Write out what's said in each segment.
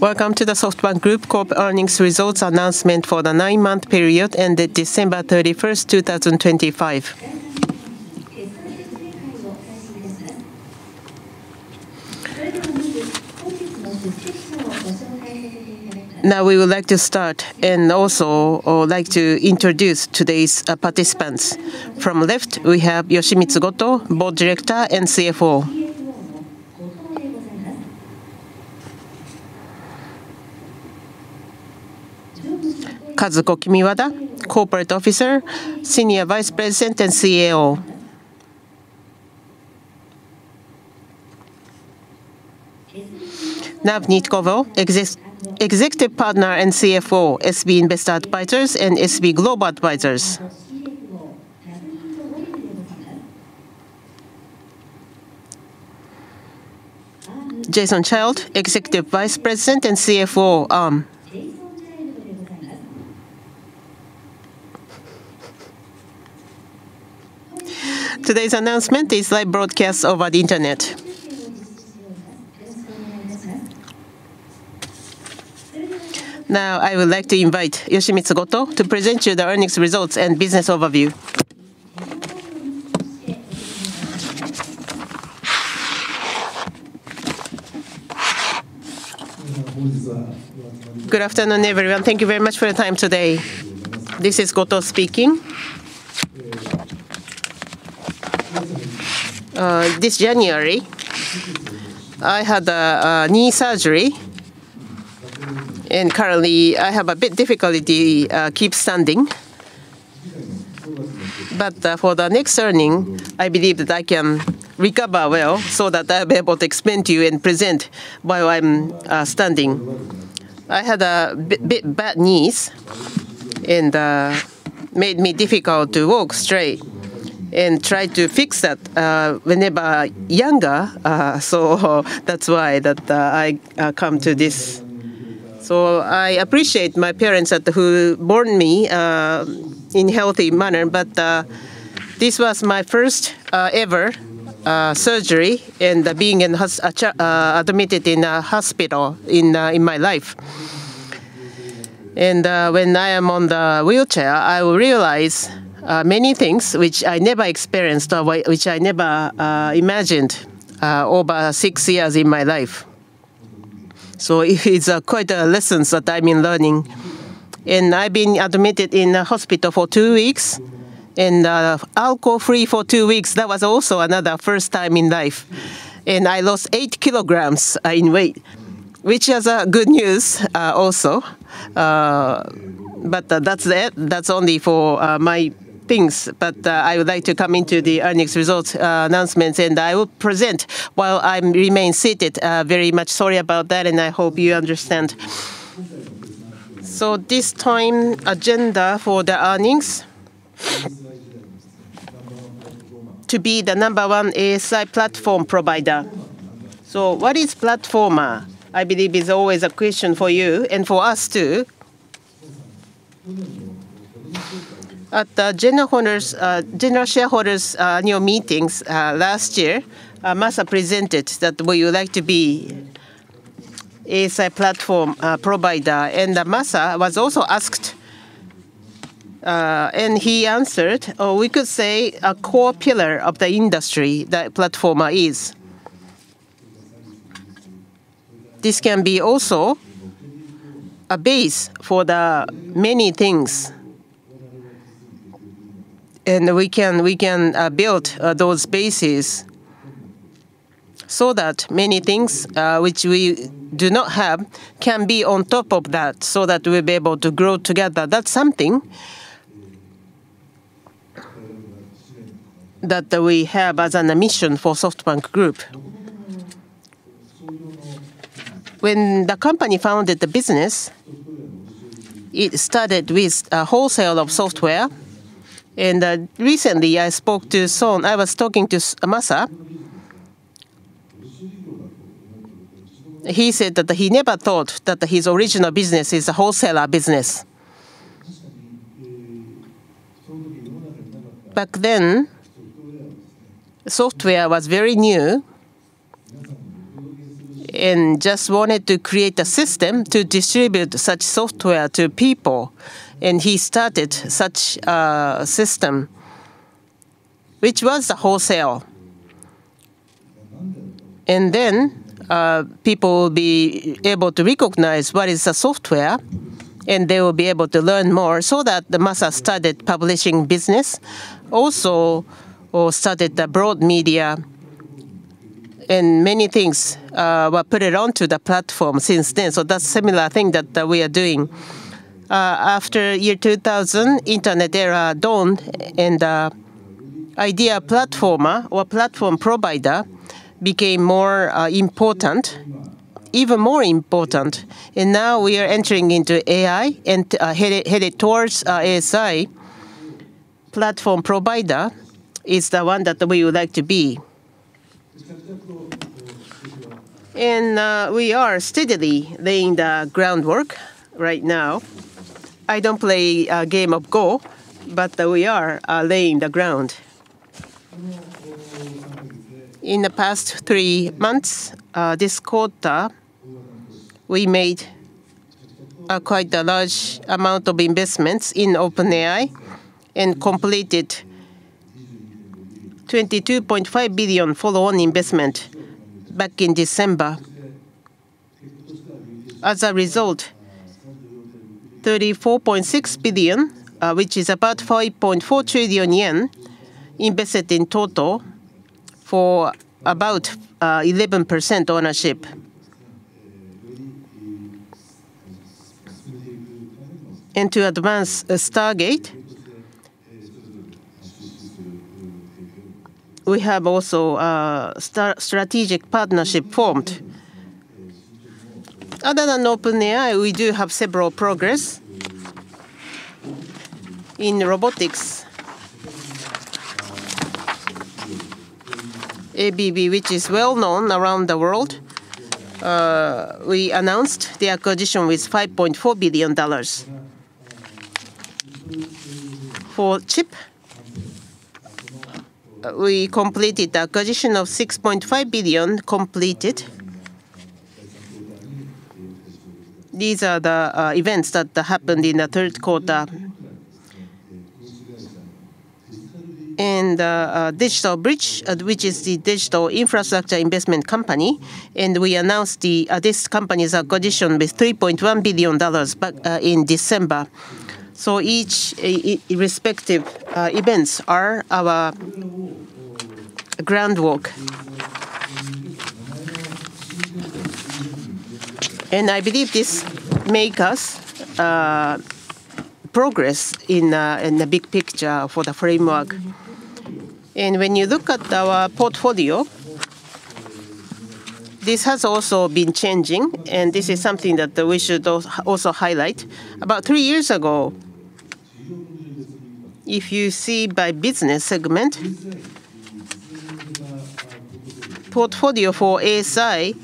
Welcome to the SoftBank Group Corp. earnings results announcement for the nine-month period ended December 31st, 2025. Now, we would like to start and also like to introduce today's participants. From left, we have Yoshimitsu Goto, Board Director and CFO. Kazuko Kimiwada, Corporate Officer, Senior Vice President and COO. Navneet Govil, Executive Partner and CFO, SB Investment Advisers and SB Global Advisors. Jason Child, Executive Vice President and CFO, Arm. Today's announcement is live broadcast over the internet. Now, I would like to invite Yoshimitsu Goto to present you the earnings results and business overview. Good afternoon, everyone. Thank you very much for your time today. This is Goto speaking. This January, I had a knee surgery, and currently, I have a bit difficulty keep standing. For the next earnings, I believe that I can recover well, so that I'll be able to explain to you and present while I'm standing. I had bad knees and made me difficult to walk straight, and tried to fix that whenever younger. So that's why that I come to this. So I appreciate my parents that who bore me in healthy manner. But this was my first ever surgery, and being admitted in a hospital in my life. And when I am on the wheelchair, I will realize many things which I never experienced or which I never imagined over six years in my life. So it's quite a lessons that I've been learning. I've been admitted in the hospital for two weeks, and, alcohol-free for two weeks. That was also another first time in life. I lost 8 kg in weight, which is, good news, also. But that's it. That's only for, my things. But, I would like to come into the earnings results, announcements, and I will present while I remain seated. Very sorry about that, and I hope you understand. So this time, agenda for the earnings: to be the number one ASI platform provider. So what is platform? I believe is always a question for you and for us, too. At the general shareholders' annual meeting, last year, Masa presented that we would like to be ASI platform, provider. Masa was also asked, and he answered, "Oh, we could say a core pillar of the industry, the platform is." This can be also a base for the many things, and we can, we can, build those bases so that many things, which we do not have, can be on top of that, so that we'll be able to grow together. That's something that we have as a mission for SoftBank Group. When the company founded the business, it started with a wholesale of software, and recently I spoke to Son. I was talking to Masa. He said that he never thought that his original business is a wholesaler business. Back then, software was very new, and just wanted to create a system to distribute such software to people, and he started such a system, which was the wholesale. Then, people will be able to recognize what is the software, and they will be able to learn more, so that Masa started publishing business. Also, or started the broadband media, and many things were put onto the platform since then. So that's a similar thing that we are doing. After 2000, internet era dawned, and ideal platform or platform provider became more important, even more important. Now we are entering into AI and headed towards ASI. Platform provider is the one that we would like to be. We are steadily laying the groundwork right now. I don't play a game of Go, but we are laying the ground. In the past three months, this quarter, we made quite a large amount of investments in OpenAI, and completed $22.5 billion follow-on investment back in December. As a result, $34.6 billion, which is about 5.4 trillion yen, invested in total for about 11% ownership. To advance Stargate, we have also strategic partnership formed. Other than OpenAI, we do have several progress. In robotics, ABB, which is well known around the world, we announced the acquisition with $5.4 billion dollars. For chip, we completed the acquisition of $6.5 billion, completed. These are the events that happened in the third quarter. DigitalBridge, which is the digital infrastructure investment company, and we announced this company's acquisition with $3.1 billion back in December. So each respective events are our groundwork. And I believe this make us progress in the big picture for the framework. And when you look at our portfolio, this has also been changing, and this is something that we should also highlight. About three years ago, if you see by business segment, portfolio for ASI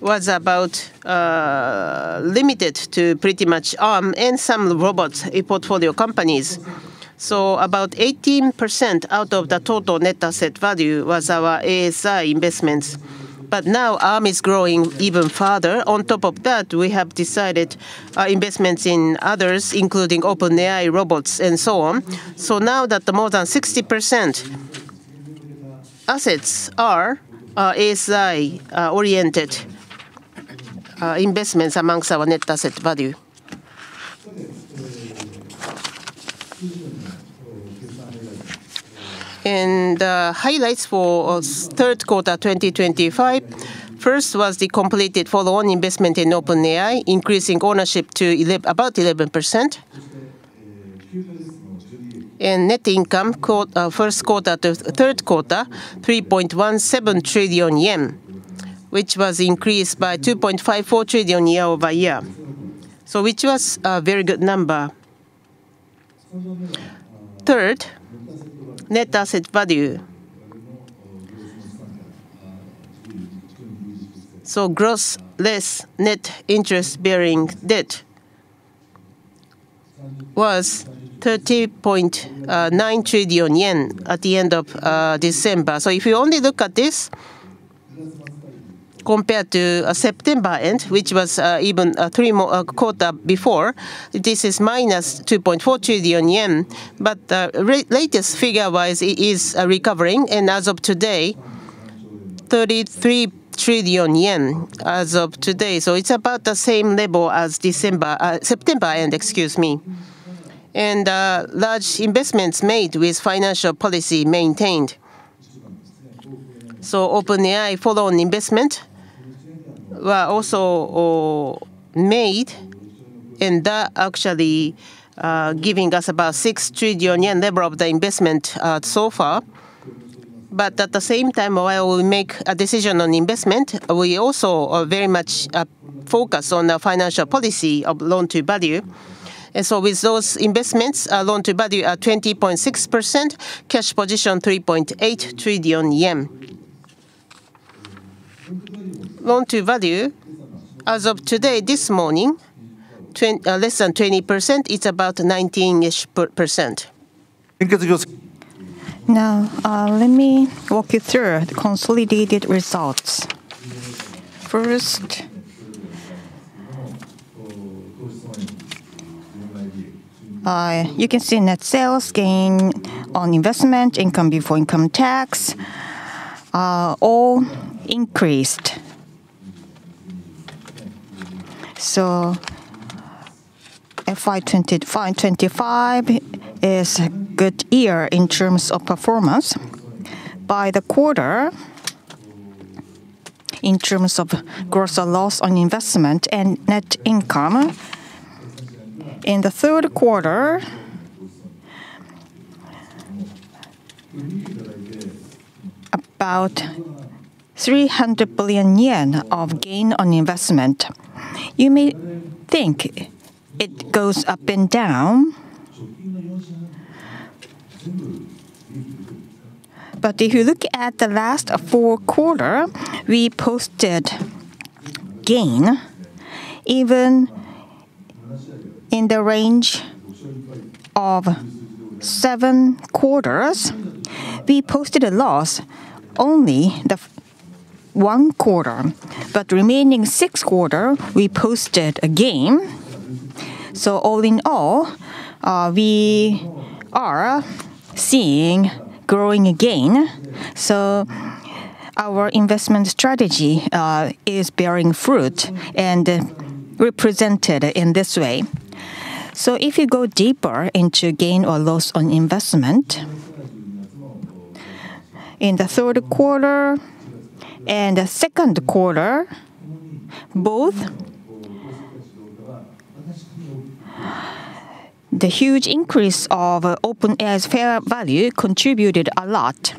was about limited to pretty much Arm and some robots, in portfolio companies. So about 18% out of the total net asset value was our ASI investments, but now Arm is growing even further. On top of that, we have decided investments in others, including OpenAI, robots, and so on. So now that more than 60% assets are ASI oriented investments amongst our net asset value. And highlights for us, third quarter, 2025. First was the completed follow-on investment in OpenAI, increasing ownership to about 11%. And net income quarter, first quarter to third quarter, 3.17 trillion yen, which was increased by 2.54 trillion year-over-year, so which was a very good number. Third, net asset value. So gross less net interest bearing debt was 30.9 trillion yen at the end of December. So if you only look at this, compared to September end, which was even three more quarter before, this is minus 2.4 trillion yen. But the latest figure-wise, it is recovering, and as of today, 33 trillion yen, as of today. So it's about the same level as December, September end, excuse me. And large investments made with financial policy maintained. So OpenAI follow-on investment were also made, and that actually giving us about 6 trillion yen level of the investment so far. But at the same time, while we make a decision on investment, we also are very much focused on the financial policy of loan to value. And so with those investments, our loan to value are 20.6%, cash position JPY 3.8 trillion. Loan to value as of today, this morning, less than 20%. It's about 19%-ish.... Now, let me walk you through the consolidated results. First, you can see net sales, gain on investment, income before income tax, all increased. So FY 2025 is a good year in terms of performance. By the quarter, in terms of gain or loss on investment and net income, in the third quarter, about 300 billion yen of gain on investment. You may think it goes up and down. But if you look at the last four quarters, we posted gain, even-... in the range of seven quarters, we posted a loss only in the first one quarter, but remaining six quarters, we posted a gain. So all in all, we are seeing growth again. So our investment strategy is bearing fruit and represented in this way. So if you go deeper into gain or loss on investment, in the third quarter and the second quarter, both, the huge increase of OpenAI's fair value contributed a lot.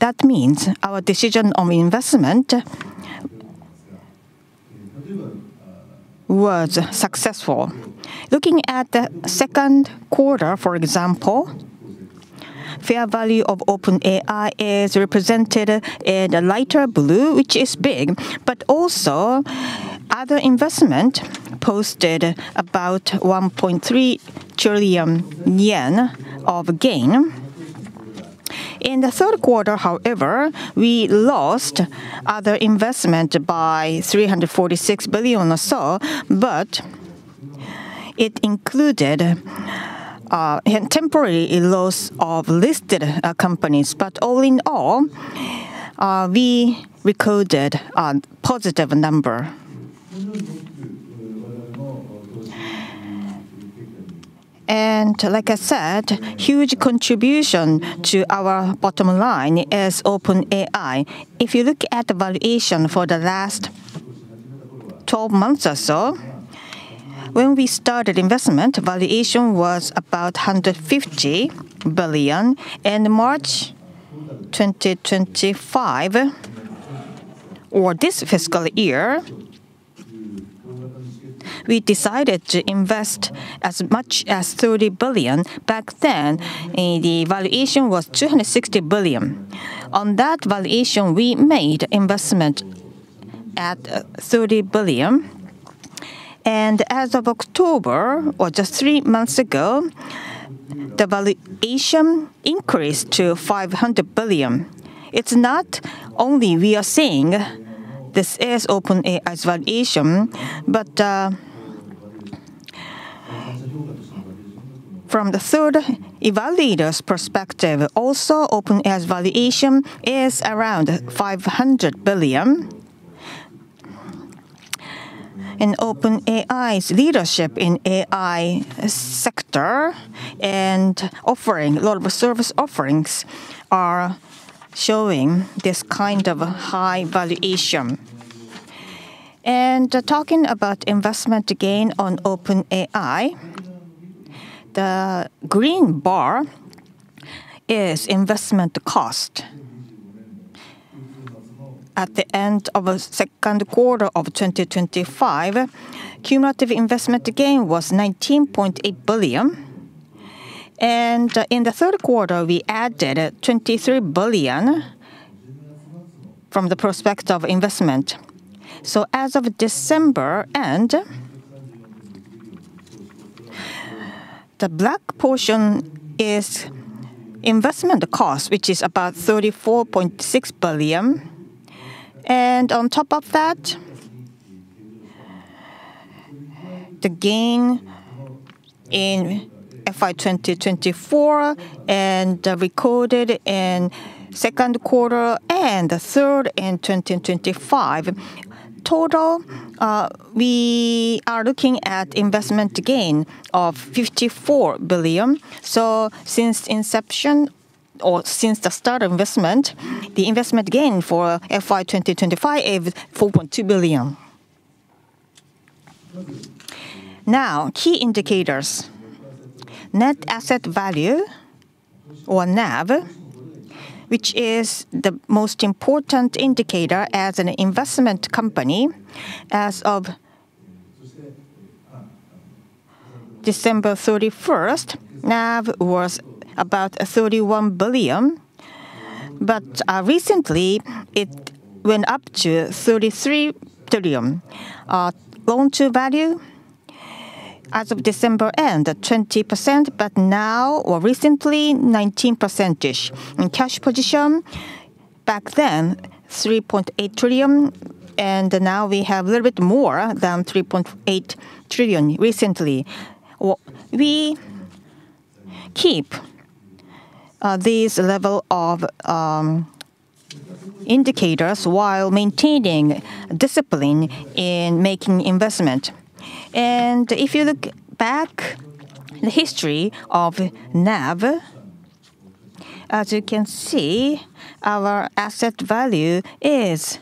That means our decision on investment was successful. Looking at the second quarter, for example, fair value of OpenAI is represented in the lighter blue, which is big, but also other investment posted about 1.3 trillion yen of gain. In the third quarter, however, we lost other investment by 346 billion or so, but it included in temporary loss of listed companies. But all in all, we recorded a positive number. And like I said, huge contribution to our bottom line is OpenAI. If you look at the valuation for the last 12 months or so, when we started investment, valuation was about $150 billion. In March 2025, or this fiscal year, we decided to invest as much as $30 billion. Back then, the valuation was $260 billion. On that valuation, we made investment at $30 billion, and as of October, or just thre months ago, the valuation increased to $500 billion. It's not only we are seeing this as OpenAI's valuation, but, from the third evaluator's perspective, also OpenAI's valuation is around $500 billion. And OpenAI's leadership in AI sector and offerings, a lot of service offerings are showing this kind of high valuation. Talking about investment gain on OpenAI, the green bar is investment cost. At the end of the second quarter of 2025, cumulative investment gain was $19.8 billion, and in the third quarter, we added $23 billion from the perspective of investment. So as of December end, the black portion is investment cost, which is about $34.6 billion. And on top of that, the gain in FY 2024 and recorded in second quarter and the third in 2025, total, we are looking at investment gain of $54 billion. So since inception or since the start of investment, the investment gain for FY 2025 is $4.2 billion. Now, key indicators. Net asset value, or NAV, which is the most important indicator as an investment company. As of December 31, NAV was about 31 billion, but recently, it went up to 33 billion. Loan to value as of December end, at 20%, but now or recently, 19%. In cash position, back then, 3.8 trillion, and now we have a little bit more than 3.8 trillion recently. We keep this level of indicators while maintaining discipline in making investment. And if you look back the history of NAV, as you can see, our asset value is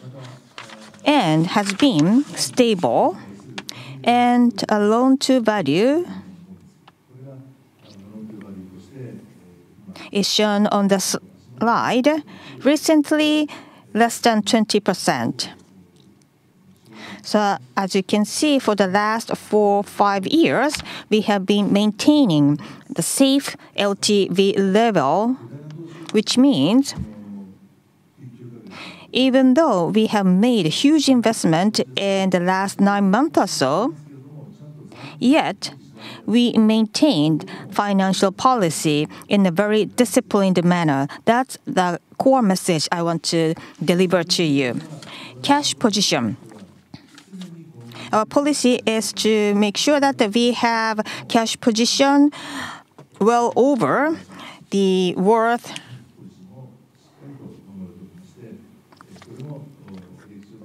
and has been stable, and our loan to value is shown on the slide, recently less than 20%. So as you can see, for the last four, five years, we have been maintaining the safe LTV level, which means-... even though we have made a huge investment in the last nine months or so, yet we maintained financial policy in a very disciplined manner. That's the core message I want to deliver to you. Cash position. Our policy is to make sure that we have cash position well over the worth,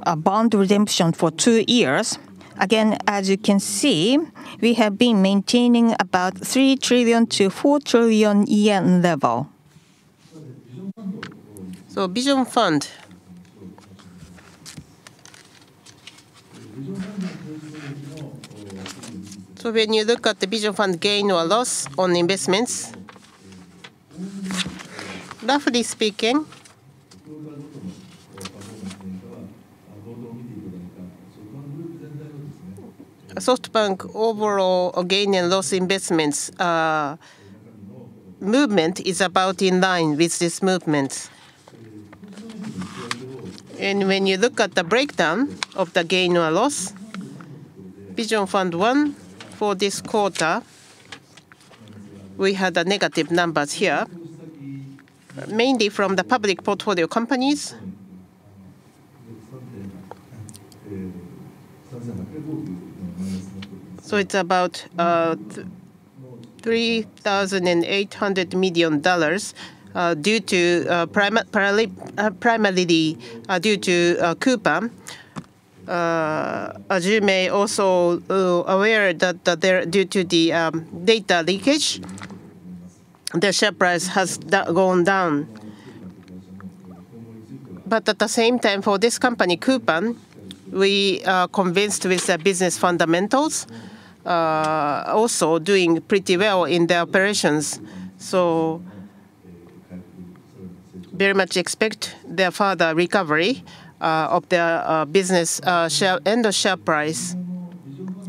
a bond redemption for two years. Again, as you can see, we have been maintaining about 3 trillion-4 trillion yen level. Vision Fund. When you look at the Vision Fund gain or loss on investments, roughly speaking, SoftBank overall gain and loss investments, movement is about in line with this movements. When you look at the breakdown of the gain or loss, Vision Fund 1 for this quarter, we had a negative numbers here, mainly from the public portfolio companies. So it's about $3,800 million, primarily due to Coupang. As you may also aware that, that there, due to the data leakage, their share price has gone down. But at the same time, for this company, Coupang, we are convinced with their business fundamentals, also doing pretty well in their operations. So very much expect their further recovery of their business, share, and the share price.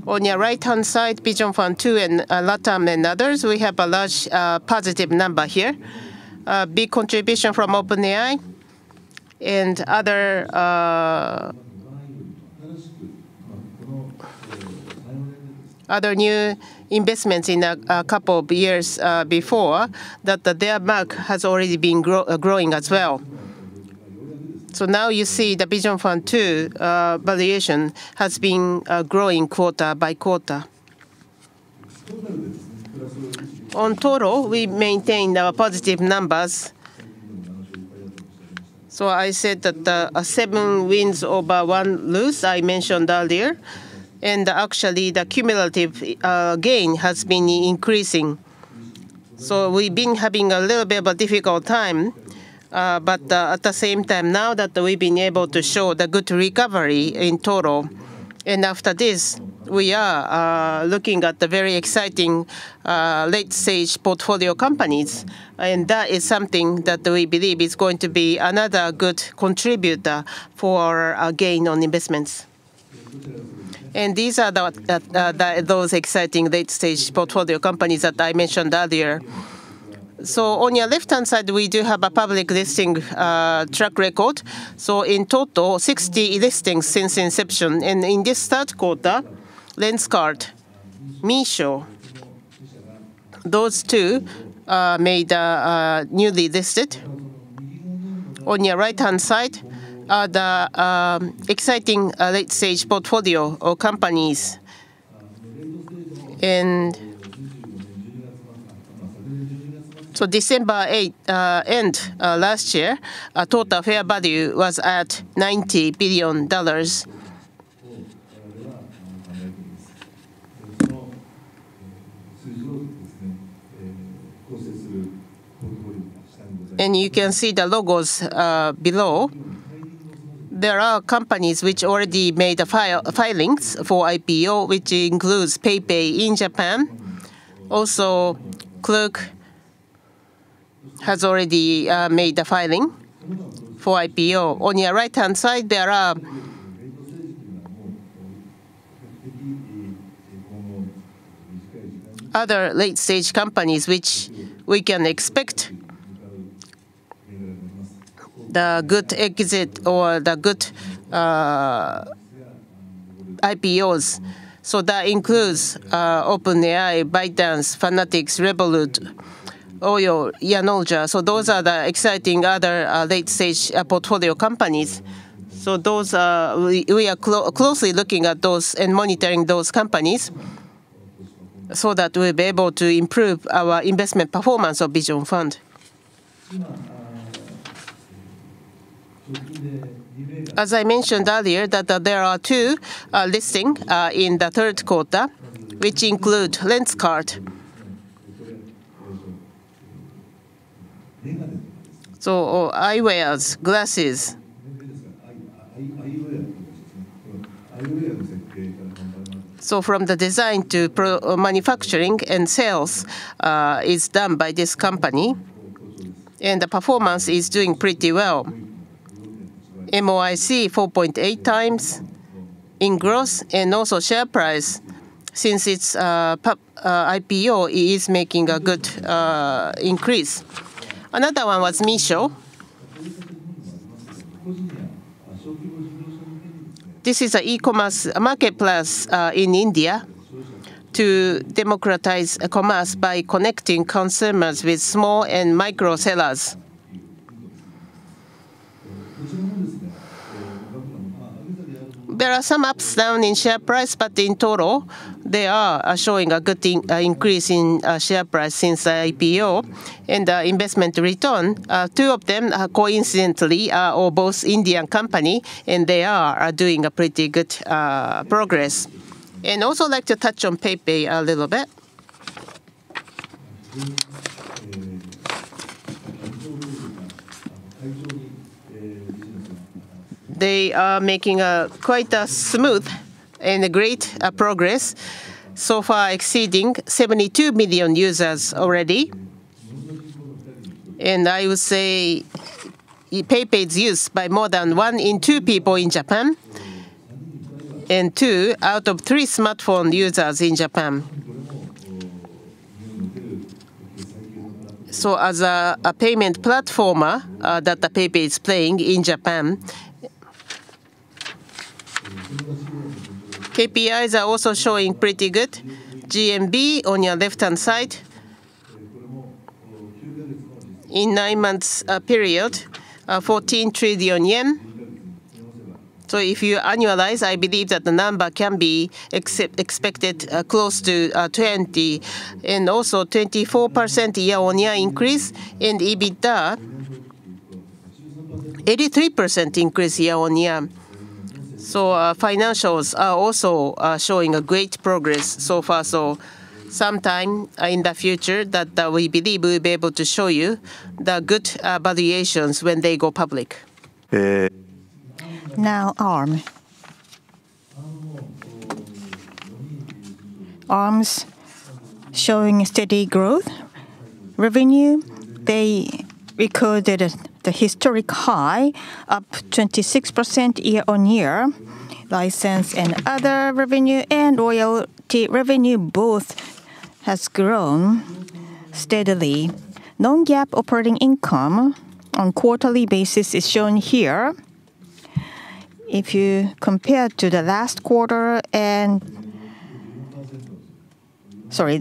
On your right-hand side, Vision Fund 2 and Latam and others, we have a large positive number here. A big contribution from OpenAI and other new investments in a couple of years before, that their market has already been growing as well. So now you see the Vision Fund 2 valuation has been growing quarter by quarter. In total, we've maintained our positive numbers. So I said that the seven wins over one loss I mentioned earlier, and actually the cumulative gain has been increasing. So we've been having a little bit of a difficult time, but at the same time, now that we've been able to show the good recovery in total, and after this, we are looking at the very exciting late-stage portfolio companies, and that is something that we believe is going to be another good contributor for our gain on investments. And these are the those exciting late-stage portfolio companies that I mentioned earlier. So on your left-hand side, we do have a public listing track record. So in total, 60 listings since inception, and in this third quarter, Lenskart, Meesho, those two made newly listed. On your right-hand side are the exciting late-stage portfolio of companies. So December 8 end last year, our total fair value was at $90 billion. And you can see the logos below. There are companies which already made the filings for IPO, which includes PayPay in Japan. Also, Klook has already made the filing for IPO. On your right-hand side, there are other late-stage companies which we can expect the good exit or the good IPOs. So that includes OpenAI, ByteDance, Fanatics, Revolut, Oyo, Yanolja. So those are the exciting other late-stage portfolio companies. So those, we are closely looking at those and monitoring those companies so that we'll be able to improve our investment performance of Vision Fund. As I mentioned earlier, there are two listings in the third quarter, which include Lenskart. So, eyewear, glasses. So from the design to manufacturing and sales is done by this company, and the performance is doing pretty well. MOIC, 4.8x in growth and also share price since its IPO, it is making a good increase. Another one was Meesho. This is an e-commerce marketplace in India to democratize commerce by connecting consumers with small and micro sellers. There are some ups and downs in share price, but in total, they are showing a good increase in share price since the IPO and investment return. Two of them, coincidentally, are both Indian companies, and they are doing pretty good progress. And also like to touch on Paytm a little bit. They are making quite a smooth and great progress so far, exceeding 72 million users already. And I would say, Paytm is used by more than one in two people in Japan, and two out of three smartphone users in Japan. So as a payment platform that Paytm is playing in Japan, KPIs are also showing pretty good. GMV on your left-hand side, in nine months period, 14 trillion yen. So if you annualize, I believe that the number can be expected close to 20, and also 24% year-on-year increase, and EBITDA, 83% increase year-on-year. So, financials are also showing a great progress so far. So sometime in the future, we believe we'll be able to show you the good valuations when they go public. Now Arm. Arm's showing a steady growth. Revenue, they recorded a historic high, up 26% year-on-year. License and other revenue and royalty revenue both has grown steadily. Non-GAAP operating income on quarterly basis is shown here. If you compare to the last quarter and... Sorry,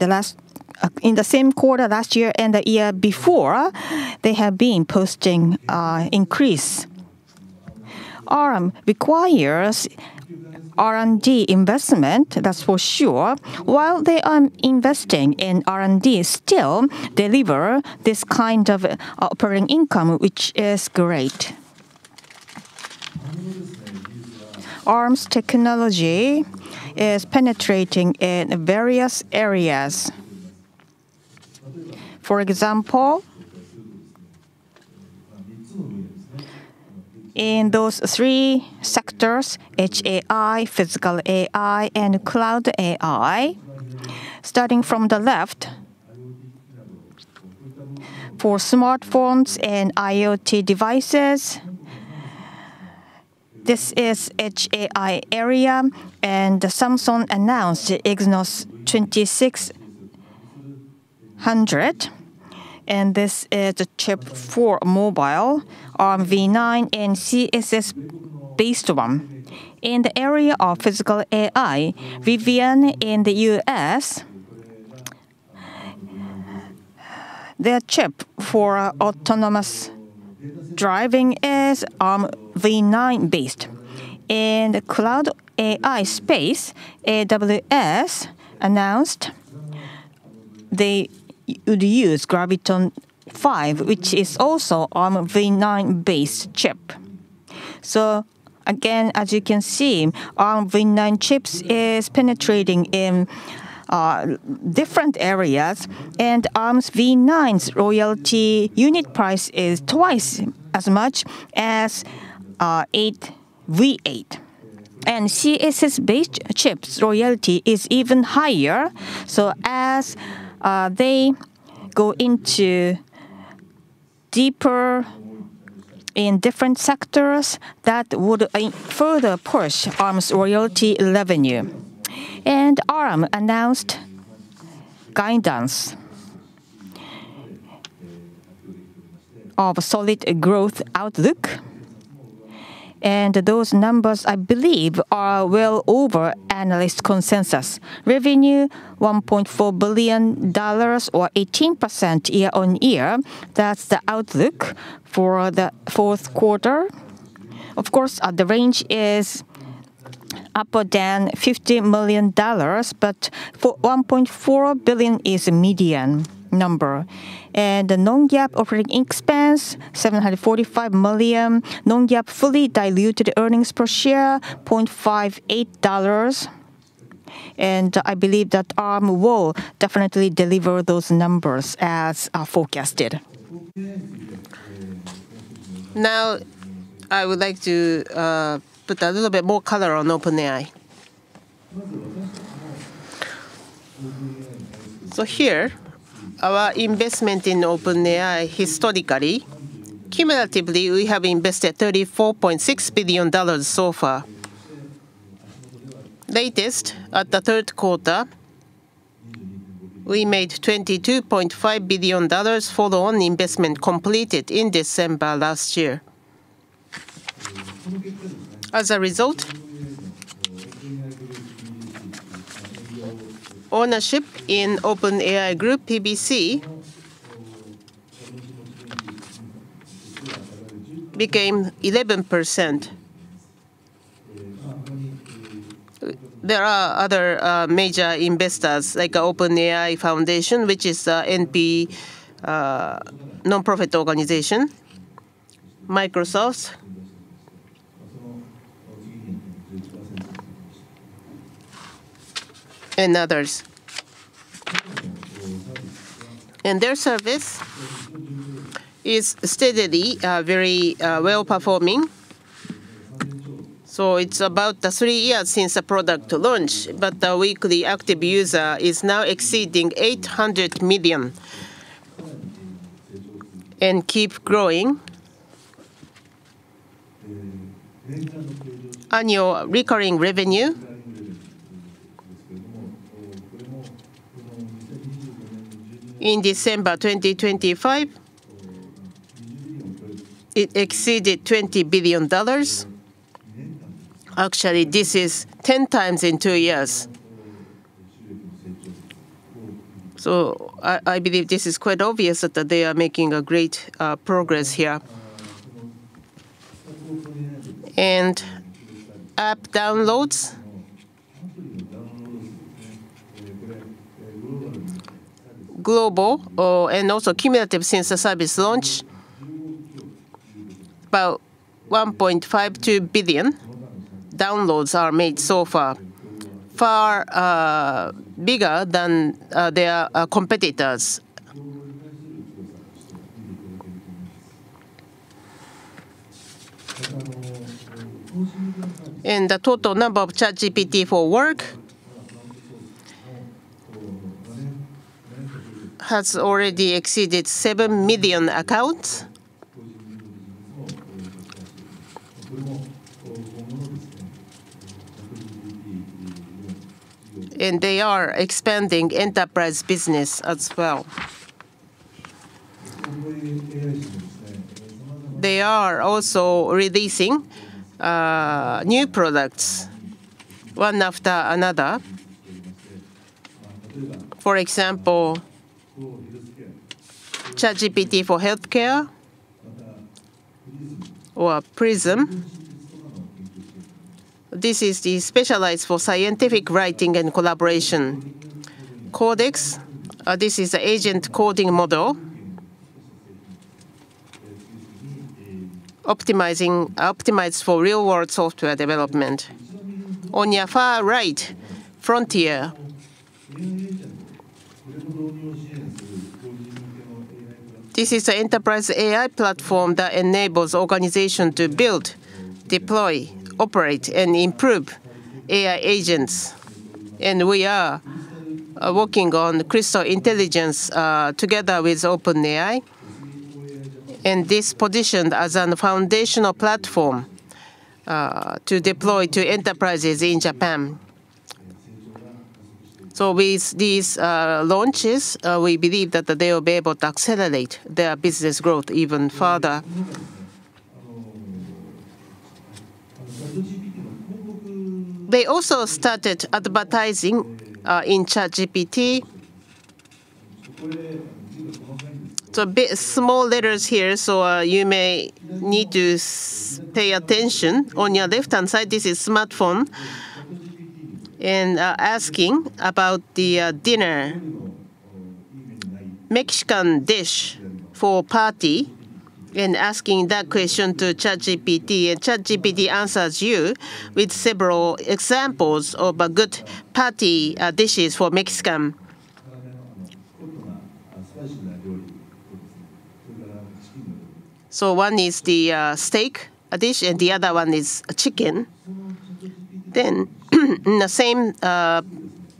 in the same quarter last year and the year before, they have been posting increase. Arm requires R&D investment, that's for sure. While they are investing in R&D, still deliver this kind of operating income, which is great. Arm's technology is penetrating in various areas. For example, in those three sectors: Edge AI, Physical AI, and Cloud AI. Starting from the left, for smartphones and IoT devices, this is Edge AI area, and Samsung announced Exynos 2600, and this is a chip for mobile, Armv9 and CSS-based one. In the area of Physical AI, Rivian in the US, their chip for autonomous driving is Armv9 based. In the cloud AI space, AWS announced they would use Graviton5, which is also Armv9 based chip. So again, as you can see, Armv9 chips is penetrating in different areas, and Arm's v9's royalty unit price is twice as much as eight, v8. And CSS-based chips royalty is even higher, so as they go into deeper in different sectors, that would further push Arm's royalty revenue. And Arm announced guidance of a solid growth outlook, and those numbers, I believe, are well over analyst consensus. Revenue, $1.4 billion or 18% year-on-year. That's the outlook for the fourth quarter. Of course, the range is upper than $50 million, but for $1.4 billion is a median number. The non-GAAP operating expense, $745 million. Non-GAAP fully diluted earnings per share, $0.58. I believe that Arm will definitely deliver those numbers as forecasted. Now, I would like to put a little bit more color on OpenAI. So here, our investment in OpenAI historically, cumulatively, we have invested $34.6 billion so far. Latest, at the third quarter, we made $22.5 billion for the only investment completed in December last year. As a result, ownership in OpenAI Group, PBC, became 11%. There are other major investors, like OpenAI Foundation, which is a nonprofit organization, Microsoft, and others. Their service is steadily very well-performing. So it's about three years since the product launch, but the weekly active user is now exceeding 800 million, and keep growing. Annual recurring revenue in December 2025, it exceeded $20 billion. Actually, this is 10 times in two years. So I believe this is quite obvious that they are making great progress here. And app downloads, global, and also cumulative since the service launch, about 1.52 billion downloads are made so far. Far bigger than their competitors. And the total number of ChatGPT for Work has already exceeded 7 million accounts. And they are expanding enterprise business as well. They are also releasing new products, one after another. For example, ChatGPT for healthcare or Prism. This is the specialized for scientific writing and collaboration. Codex, this is an agent coding model. Optimized for real-world software development. On your far right, Frontier. This is an enterprise AI platform that enables organization to build, deploy, operate, and improve AI agents, and we are working on Crystal Intelligence together with OpenAI, and this positioned as a foundational platform to deploy to enterprises in Japan. So with these launches, we believe that they will be able to accelerate their business growth even further. They also started advertising in ChatGPT. It's a bit small letters here, so you may need to pay attention. On your left-hand side, this is smartphone and asking about the dinner. Mexican dish for party, and asking that question to ChatGPT, and ChatGPT answers you with several examples of a good party dishes for Mexican. So one is the steak dish, and the other one is a chicken. Then in the same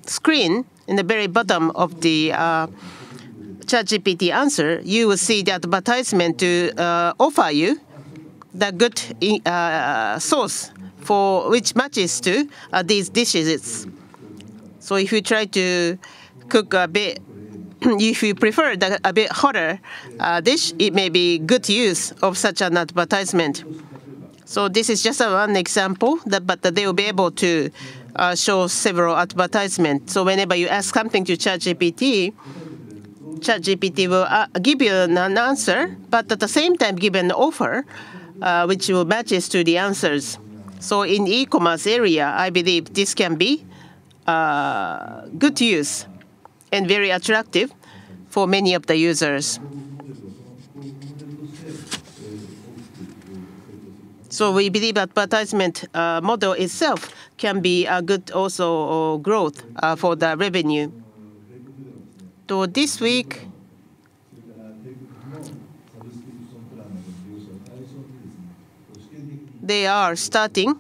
screen, in the very bottom of the ChatGPT answer, you will see the advertisement to offer you the good sauce for which matches to these dishes. So if you try to cook a bit... If you prefer a bit hotter dish, it may be good use of such an advertisement. So this is just one example, but they will be able to show several advertisements. So whenever you ask something to ChatGPT, ChatGPT will give you an answer, but at the same time, give an offer which will matches to the answers. So in e-commerce area, I believe this can be good use and very attractive for many of the users. So we believe advertisement model itself can be a good also growth for the revenue. So this week they are starting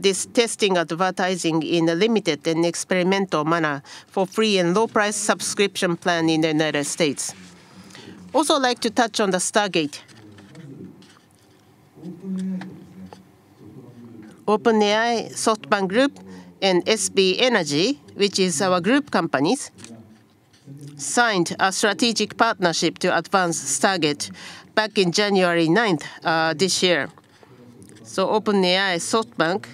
this testing advertising in a limited and experimental manner for free and low-price subscription plan in the United States. Also, I'd like to touch on the Stargate. OpenAI, SoftBank Group, and SB Energy, which is our group companies, signed a strategic partnership to advance Stargate back in January 9th this year. So OpenAI, SoftBank,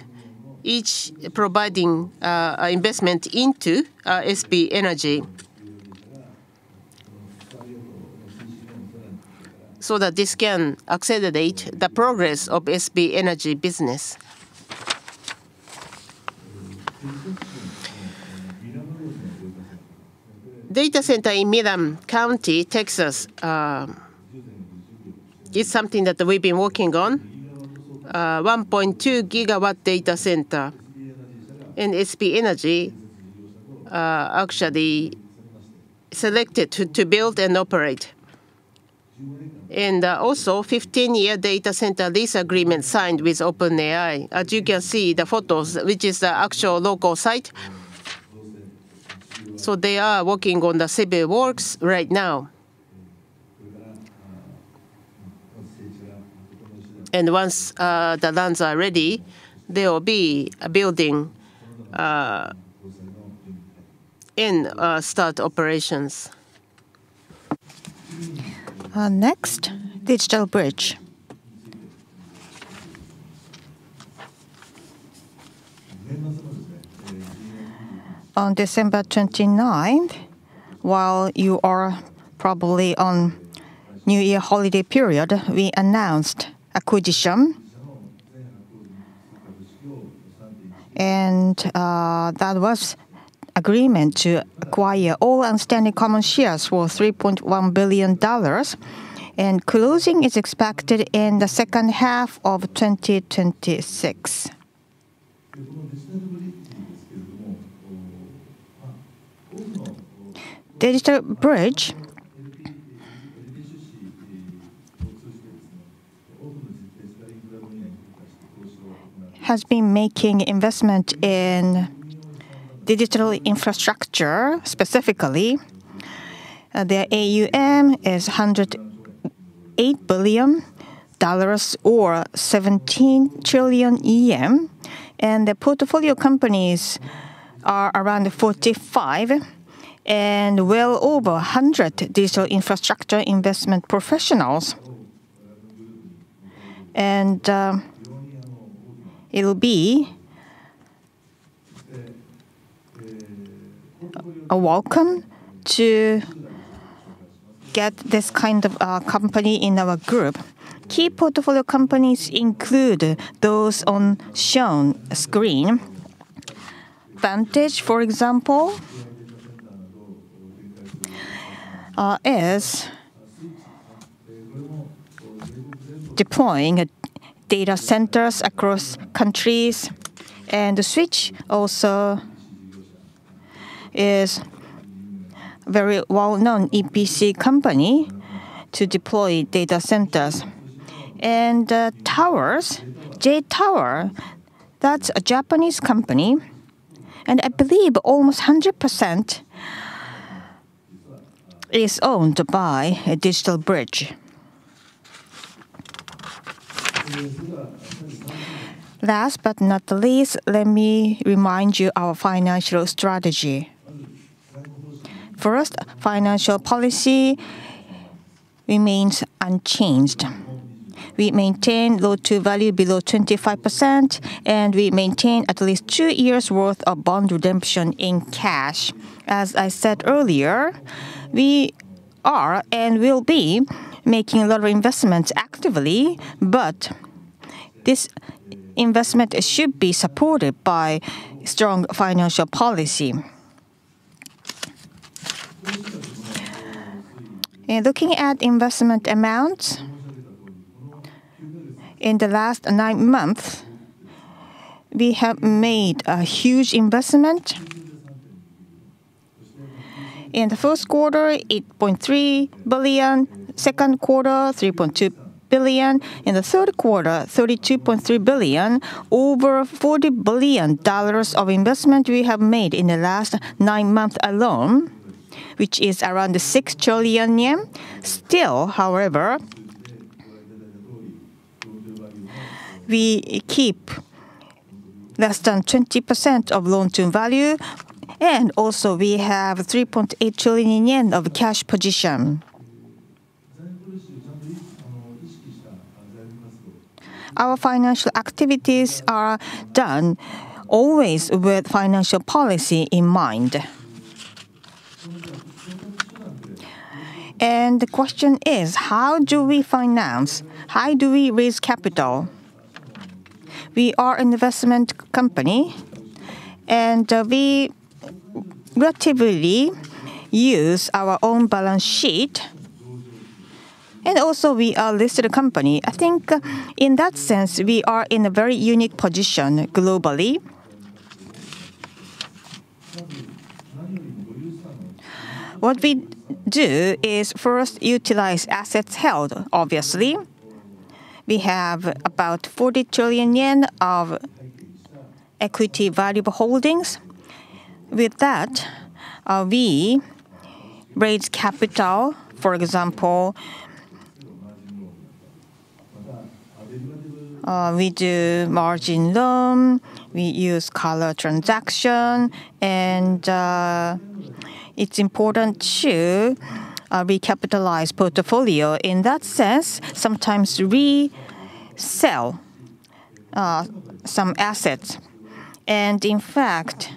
each providing investment into SB Energy, so that this can accelerate the progress of SB Energy business. Data center in Midland County, Texas, is something that we've been working on. 1.2 GW data center, and SB Energy actually selected to build and operate. And also 15-year data center lease agreement signed with OpenAI. As you can see the photos, which is the actual local site. So they are working on the civil works right now. Once the lands are ready, they will be building and start operations. Next, DigitalBridge. On December 29th, while you are probably on New Year holiday period, we announced acquisition. That was agreement to acquire all outstanding common shares for $3.1 billion, and closing is expected in the second half of 2026. DigitalBridge has been making investment in digital infrastructure. Specifically, their AUM is $108 billion, or 17 trillion, and the portfolio companies are around 45, and well over 100 digital infrastructure investment professionals. It'll be a welcome to get this kind of company in our group. Key portfolio companies include those shown on screen. Vantage, for example, is deploying data centers across countries, and Switch also is very well-known EPC company to deploy data centers. Towers, J-TOWER, that's a Japanese company, and I believe almost 100% is owned by DigitalBridge. Last but not least, let me remind you our financial strategy. First, financial policy remains unchanged. We maintain loan to value below 25%, and we maintain at least two years' worth of bond redemption in cash. As I said earlier, we are and will be making a lot of investments actively, but this investment should be supported by strong financial policy. In looking at investment amounts, in the last nine months, we have made a huge investment. In the first quarter, $8.3 billion, second quarter, $3.2 billion, in the third quarter, $32.3 billion. Over $40 billion of investment we have made in the last nine months alone, which is around 6 trillion yen. Still, however, we keep less than 20% of loan to value, and also we have 3.8 trillion yen of cash position. Our financial activities are done always with financial policy in mind. The question is: How do we finance? How do we raise capital? We are an investment company, and we relatively use our own balance sheet, and also we are listed company. I think, in that sense, we are in a very unique position globally.... what we do is first utilize assets held, obviously. We have about 40 trillion yen of equity valuable holdings. With that, we raise capital. For example, we do margin loan, we use collateral transaction, and it's important to recapitalize portfolio. In that sense, sometimes we sell some assets, and in fact,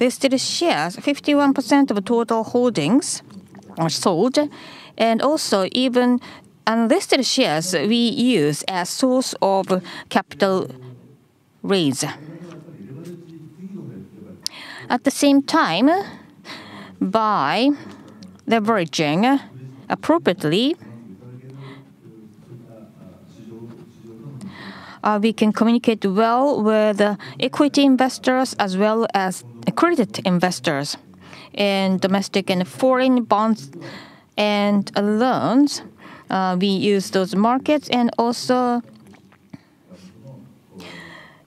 listed shares, 51% of total holdings are sold, and also even unlisted shares we use as source of capital raise. At the same time, by leveraging appropriately, we can communicate well with the equity investors as well as credit investors in domestic and foreign bonds and loans. We use those markets and also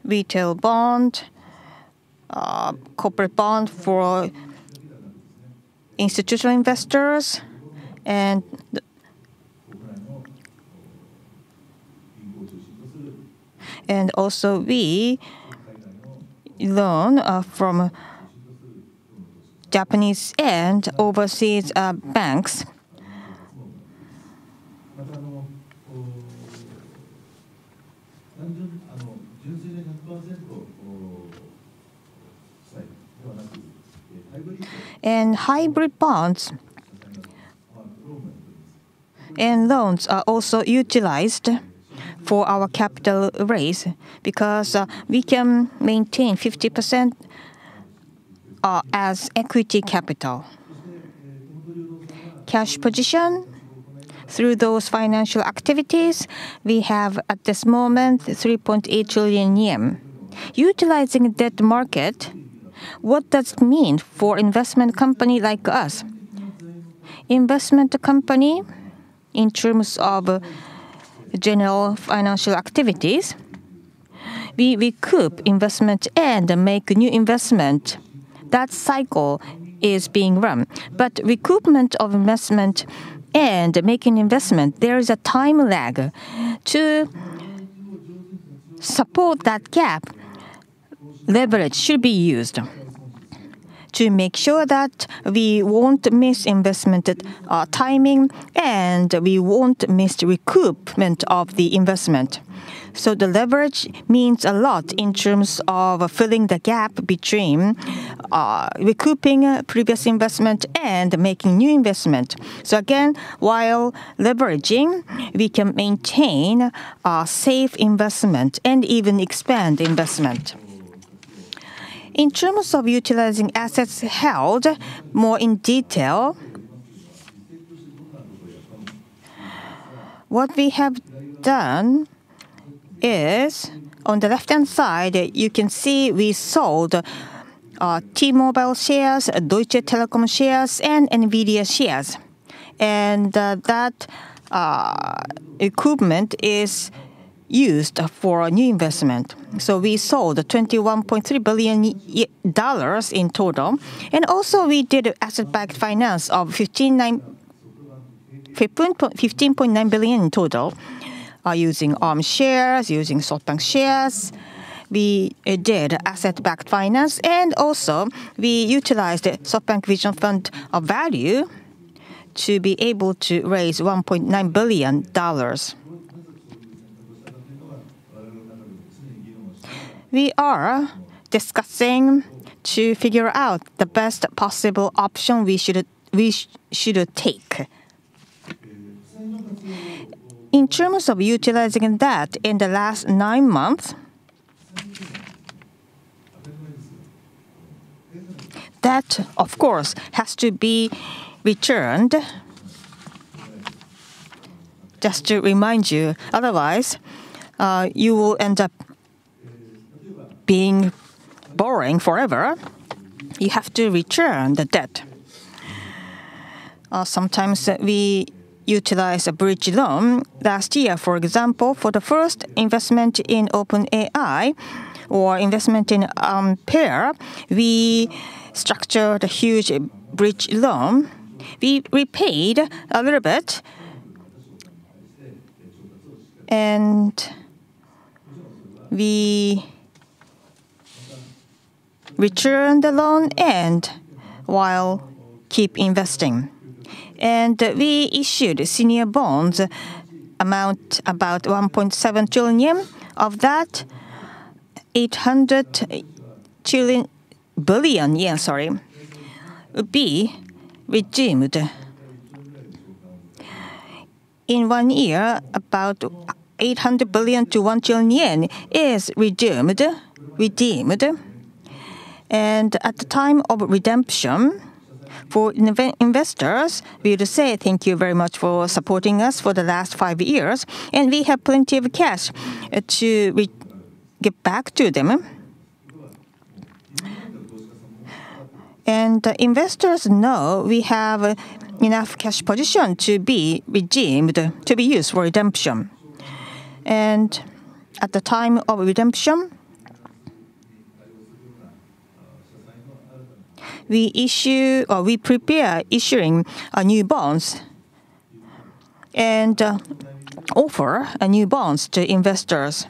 retail bond, corporate bond for institutional investors, and also we loan from Japanese and overseas banks. Hybrid bonds and loans are also utilized for our capital raise because we can maintain 50% as equity capital. Cash position through those financial activities, we have at this moment 3.8 trillion yen. Utilizing debt market, what does it mean for investment company like us? Investment company, in terms of general financial activities, we recoup investment and make new investment. That cycle is being run. But recoupment of investment and making investment, there is a time lag. To support that gap, leverage should be used to make sure that we won't miss investment at timing, and we won't miss recoupment of the investment. So the leverage means a lot in terms of filling the gap between recouping previous investment and making new investment. So again, while leveraging, we can maintain a safe investment and even expand investment. In terms of utilizing assets held more in detail, what we have done is on the left-hand side, you can see we sold T-Mobile shares, Deutsche Telekom shares, and NVIDIA shares, and that equipment is used for a new investment. So we sold $21.3 billion in total, and also we did asset-backed finance of $15.9 billion in total, using shares, using SoftBank shares. We did asset-backed finance, and also we utilized the SoftBank Vision Fund of value to be able to raise $1.9 billion. We are discussing to figure out the best possible option we should take. In terms of utilizing that in the last nine months, that, of course, has to be returned. Just to remind you, otherwise, you will end up being borrowing forever. You have to return the debt. Sometimes we utilize a bridge loan. Last year, for example, for the first investment in OpenAI or investment in Pear, we structured a huge bridge loan. We, we paid a little bit, and we returned the loan and while keep investing. And we issued senior bonds amount about 1.7 trillion yen. Of that, 800 billion yen, sorry, will be redeemed. In one year, about 800 billion-1 trillion yen is redeemed, redeemed. And at the time of redemption for investors, we would say thank you very much for supporting us for the last five years, and we have plenty of cash to re-... give back to them. Investors know we have enough cash position to be redeemed, to be used for redemption. At the time of redemption, we issue or we prepare issuing a new bonds and offer a new bonds to investors.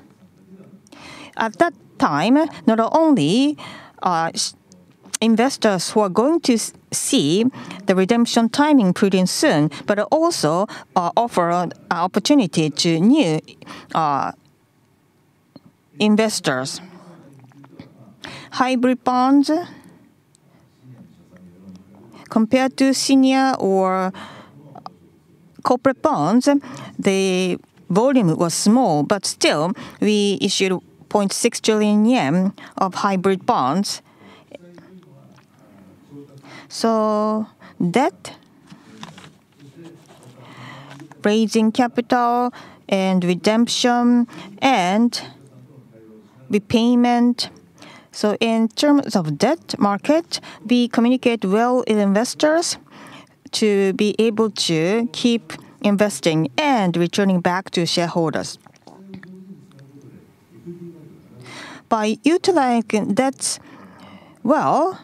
At that time, not only investors who are going to see the redemption timing pretty soon, but also offer an opportunity to new investors. Hybrid bonds, compared to senior or corporate bonds, the volume was small, but still, we issued 0.6 trillion yen of hybrid bonds. So debt, raising capital, and redemption, and repayment. So in terms of debt market, we communicate well with investors to be able to keep investing and returning back to shareholders. By utilizing debt well,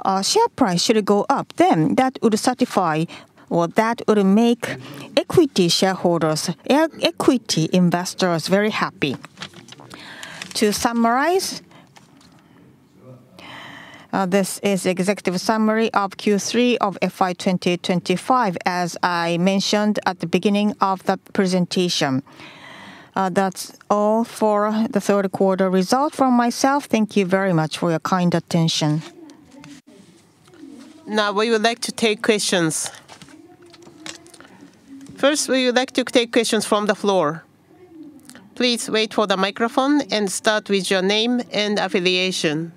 our share price should go up, then that would satisfy or that would make equity shareholders, equity investors very happy. To summarize, this is executive summary of Q3 of FY 2025, as I mentioned at the beginning of the presentation. That's all for the third quarter result from myself. Thank you very much for your kind attention. Now, we would like to take questions. First, we would like to take questions from the floor. Please wait for the microphone and start with your name and affiliation.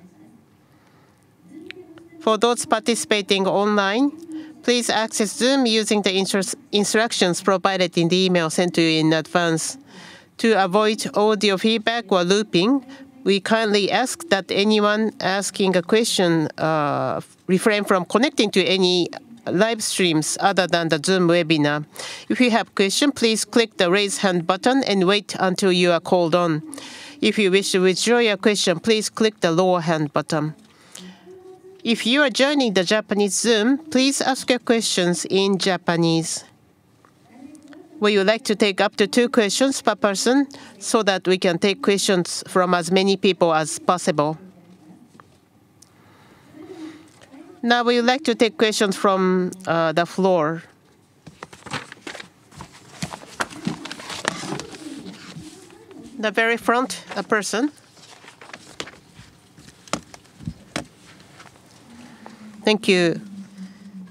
For those participating online, please access Zoom using the instructions provided in the email sent to you in advance. To avoid audio feedback or looping, we kindly ask that anyone asking a question refrain from connecting to any live streams other than the Zoom webinar. If you have question, please click the Raise Hand button and wait until you are called on. If you wish to withdraw your question, please click the Lower Hand button. If you are joining the Japanese Zoom, please ask your questions in Japanese. We would like to take up to two questions per person, so that we can take questions from as many people as possible. Now, we would like to take questions from the floor. The very front person. Thank you.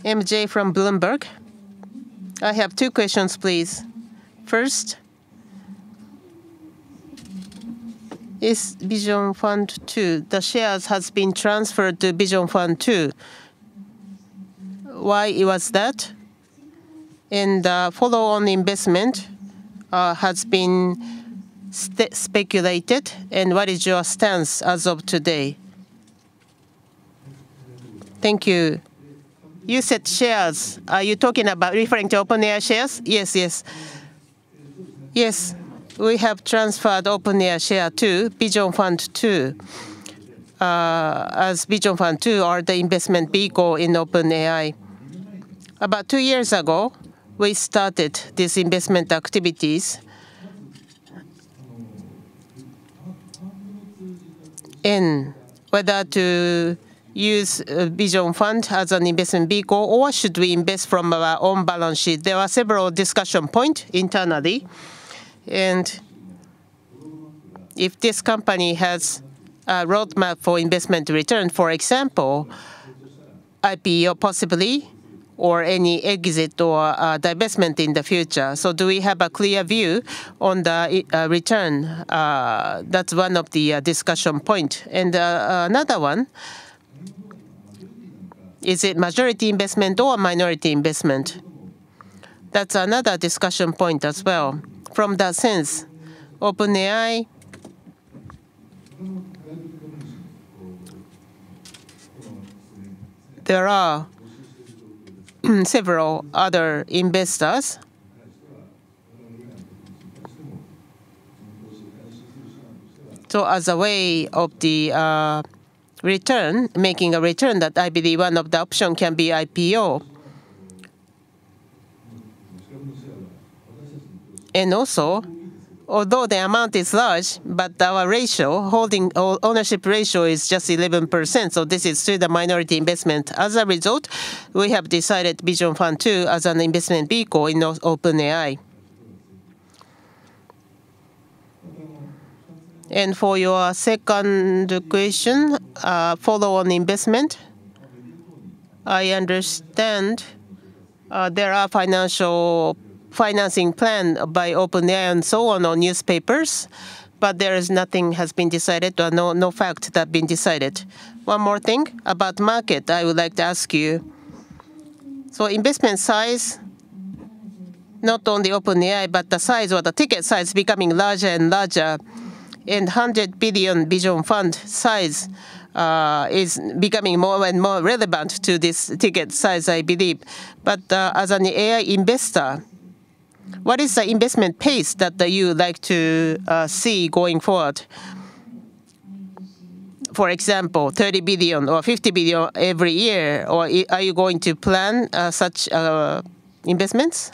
MJ from Bloomberg. I have two questions, please. First, is Vision Fund 2, the shares has been transferred to Vision Fund 2. Why was that? And follow-on investment has been speculated, and what is your stance as of today? Thank you. You said shares. Are you talking about referring to OpenAI shares? Yes, yes. Yes, we have transferred OpenAI share to Vision Fund 2, as Vision Fund 2 are the investment vehicle in OpenAI. About two years ago, we started these investment activities. In whether to use a Vision Fund as an investment vehicle, or should we invest from our own balance sheet? There were several discussion points internally, and if this company has a roadmap for investment return, for example, IPO possibly, or any exit or, divestment in the future. So do we have a clear view on the return? That's one of the discussion points. And, another one, is it majority investment or minority investment? That's another discussion point as well. From that sense, OpenAI, there are several other investors. So as a way of the return, making a return, that I believe one of the option can be IPO. Also, although the amount is large, but our ratio, holding or ownership ratio is just 11%, so this is still the minority investment. As a result, we have decided Vision Fund 2 as an investment vehicle in OpenAI. And for your second question, follow-on investment, I understand, there are financial financing plan by OpenAI, and so on, on newspapers, but there is nothing has been decided or no, no fact that been decided. One more thing about market I would like to ask you. Investment size—not only OpenAI, but the size or the ticket size becoming larger and larger, and $100 billion Vision Fund Size is becoming more and more relevant to this ticket size, I believe. But, as an AI investor, what is the investment pace that you would like to see going forward? For example, $30 billion or $50 billion every year, or are you going to plan such investments?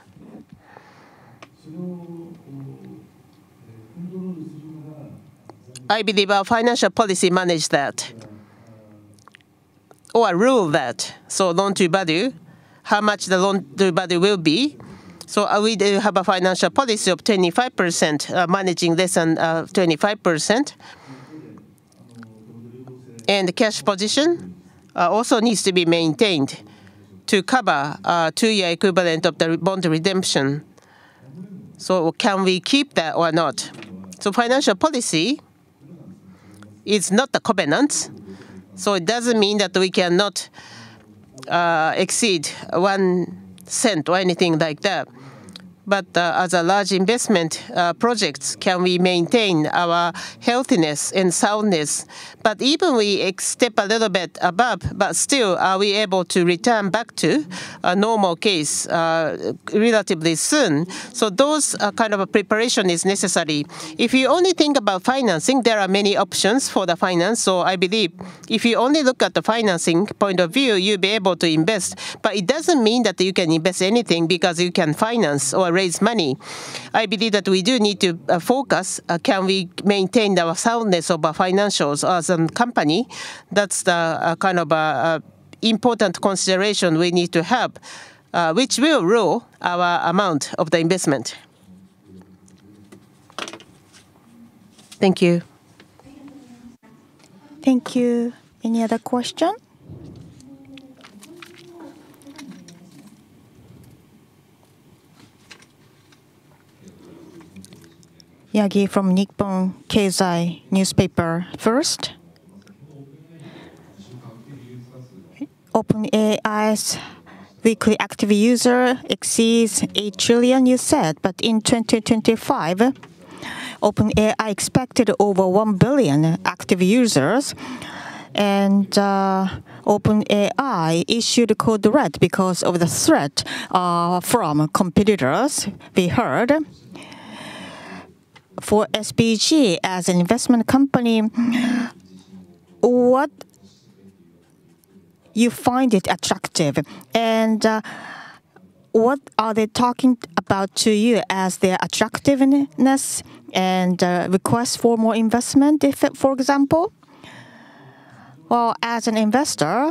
I believe our financial policy manages that or rules that. So loan to value, how much the loan to value will be. So, we do have a financial policy of 25%, managing less than 25%. And the cash position also needs to be maintained to cover two year equivalent of the bond redemption. So can we keep that or not? So financial policy is not a covenant, so it doesn't mean that we cannot exceed 1% or anything like that. But, as a large investment projects, can we maintain our healthiness and soundness? But even we exceed a little bit above, but still, are we able to return back to a normal case relatively soon? So those kind of a preparation is necessary. If you only think about financing, there are many options for the finance. So I believe if you only look at the financing point of view, you'll be able to invest. But it doesn't mean that you can invest anything because you can finance or raise money. I believe that we do need to focus, can we maintain the soundness of our financials as a company? That's the kind of important consideration we need to have, which will rule our amount of the investment. Thank you. Thank you. Any other question? Yagi from Nikkei Keizai newspaper first. OpenAI's weekly active user exceeds 8 trillion, you said, but in 2025, OpenAI expected over 1 billion active users. And, OpenAI issued a code red because of the threat from competitors, we heard. For SBG as an investment company, what you find it attractive? And, what are they talking about to you as their attractiveness and request for more investment, if, for example? Well, as an investor,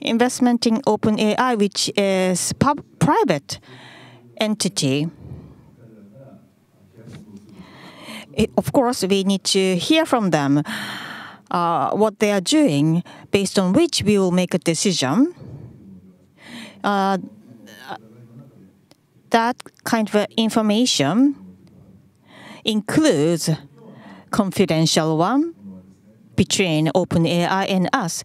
investment in OpenAI, which is public-private entity. Of course, we need to hear from them, what they are doing, based on which we will make a decision. That kind of information includes confidential one between OpenAI and us.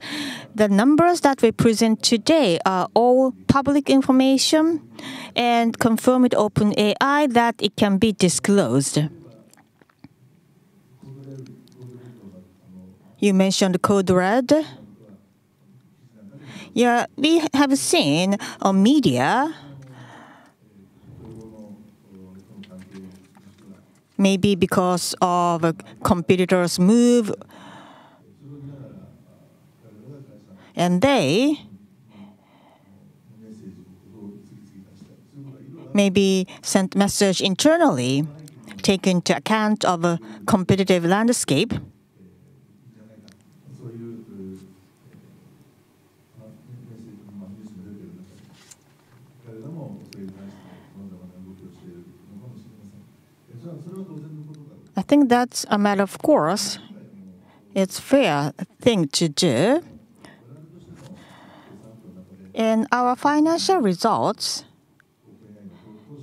The numbers that we present today are all public information and confirmed with OpenAI that it can be disclosed. You mentioned code red. Yeah, we have seen on media, maybe because of a competitor's move, and they maybe sent message internally, take into account of a competitive landscape. I think that's a matter of course. It's fair thing to do. And our financial results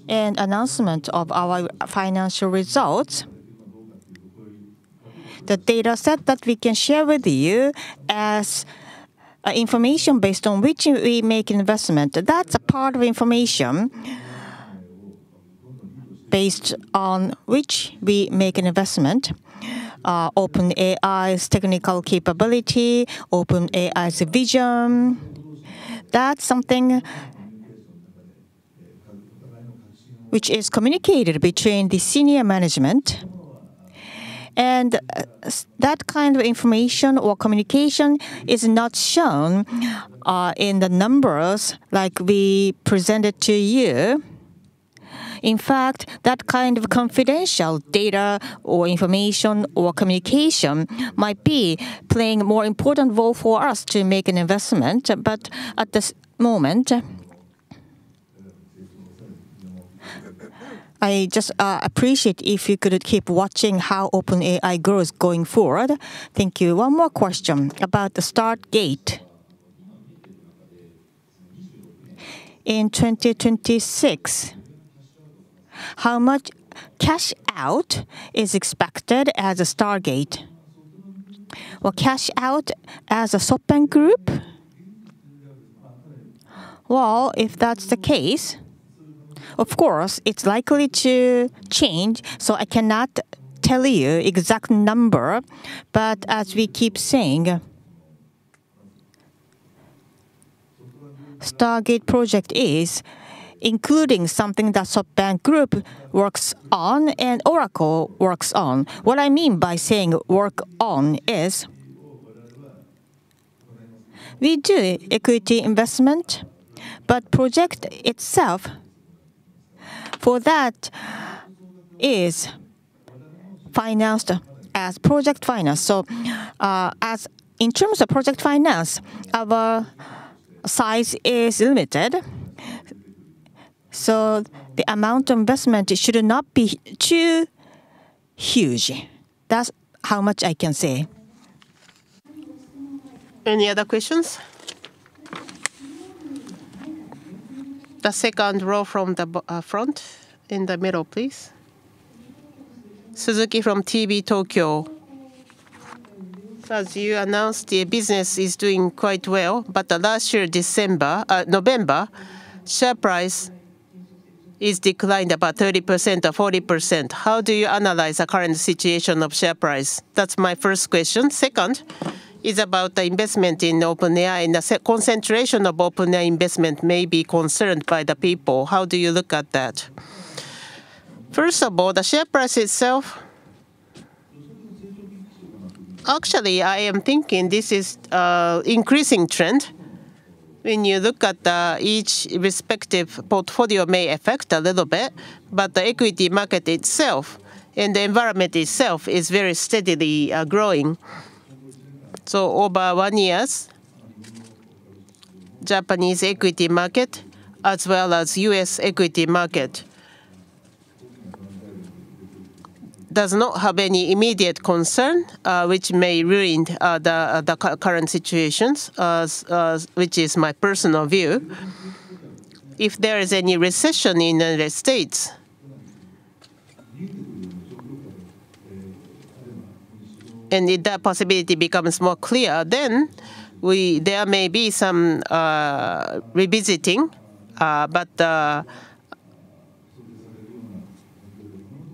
and announcement of our financial results, the data set that we can share with you as information based on which we make investment, that's a part of information based on which we make an investment. OpenAI's technical capability, OpenAI's vision, that's something which is communicated between the senior management, and, that kind of information or communication is not shown, in the numbers like we presented to you. In fact, that kind of confidential data or information or communication might be playing a more important role for us to make an investment. But at this moment, I just appreciate if you could keep watching how OpenAI grows going forward. Thank you. One more question about the Stargate. In 2026, how much cash out is expected for Stargate? Will cash out for SoftBank Group? Well, if that's the case, of course, it's likely to change, so I cannot tell you exact number. But as we keep saying, Stargate Project is including something that SoftBank Group works on and Oracle works on. What I mean by saying work on is, we do equity investment, but project itself for that is financed as project finance. So, as in terms of project finance, our size is limited, so the amount investment should not be too huge. That's how much I can say. Any other questions? The second row from the front, in the middle, please. Suzuki from TV Tokyo. As you announced, the business is doing quite well, but the last year, December, November, share price is declined about 30% or 40%. How do you analyze the current situation of share price? That's my first question. Second is about the investment in OpenAI, and the concentration of OpenAI investment may be concerned by the people. How do you look at that? First of all, the share price itself, actually, I am thinking this is, increasing trend. When you look at, each respective portfolio may affect a little bit, but the equity market itself and the environment itself is very steadily, growing. So over one years, Japanese equity market as well as U.S. equity market does not have any immediate concern, which may ruin the, the current situations, which is my personal view. If there is any recession in the United States, and if that possibility becomes more clear, then we there may be some, revisiting.